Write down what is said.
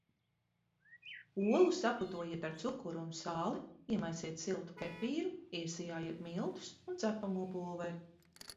Olu saputojiet ar cukuru un sāli, iemaisiet siltu kefīru, iesijājiet miltus un cepamo pulveri.